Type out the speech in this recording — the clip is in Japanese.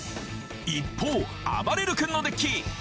一方あばれる君のデッキ。